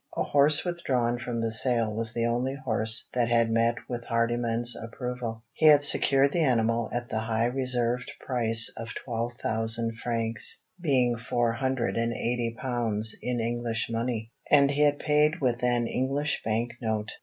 A horse withdrawn from the sale was the only horse that had met with Hardyman's approval. He had secured the animal at the high reserved price of twelve thousand francs being four hundred and eighty pounds in English money; and he had paid with an English bank note.